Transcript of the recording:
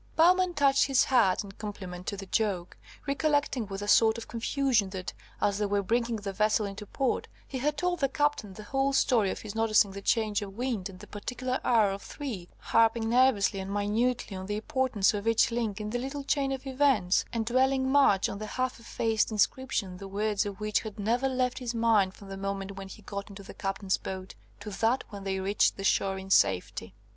Bowman touched his hat in compliment to the joke, recollecting with a sort of confusion that, as they were bringing the vessel into port, he had told the Captain the whole story of his noticing the change of wind at the particular hour of three, harping nervously and minutely on the importance of each link in the little chain of events, and dwelling much on the half effaced inscription, the words of which had never left his mind from the moment when he got into the Captain's boat, to that when they reached the shore in safety.